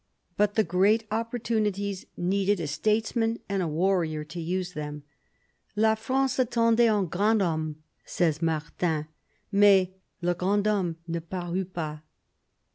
But the great opportunities needed a statesman and a warrior to use them. "La France attendait un grand homme," says Martin, "mais le grand homme ne parut pas."